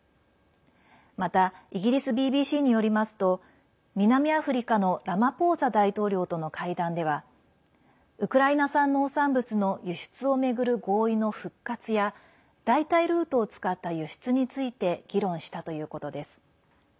またイギリスＢＢＣによりますと南アフリカのラマポーザ大統領との会談ではウクライナ産農産物の輸出を巡る合意の復活や代替ルートを使った輸出について議論したということです。